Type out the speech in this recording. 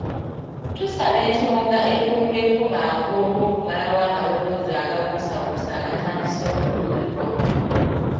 Tusaba ensonga ekolweko mangu olw'okumalawo amaloboozi agabuusabuusa agatandise okuwulirwa.